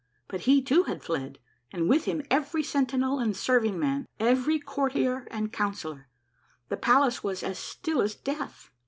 But he, too, had fled, and with him every sentinel and serv ing man, every courtier and councillor. The palace was as still as death.